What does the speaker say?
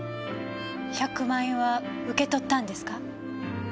１００万円は受け取ったんですか？